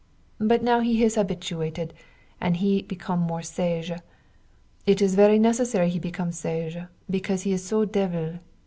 But now he is habituated, and he become more sage. It is very necessary he become sage, because he is so devil.